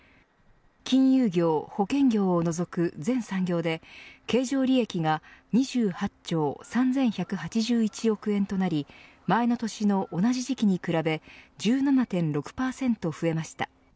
金融業、保険業を除く全産業で経常利益が２８兆３１８１億円となり前の年の同じ時期に比べ１７．６％増えました。